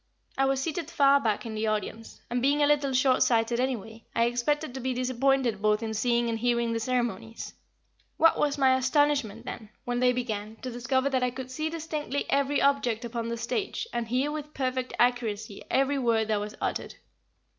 I was seated far back in the audience, and being a little short sighted anyway, I expected to be disappointed both in seeing and hearing the ceremonies. What was my astonishment then, when they began, to discover that I could see distinctly every object upon the stage, and hear with perfect accuracy every word that was uttered.